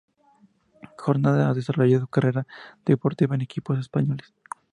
Jordana ha desarrollado su carrera deportiva en equipos españoles.